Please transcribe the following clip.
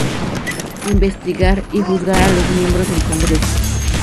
Investigar y juzgar a los miembros del Congreso.